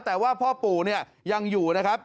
แต่ว่าพ่อปู่เนี่ยยังอยู่นะครับ